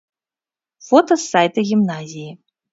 Фота з сайта гімназіі.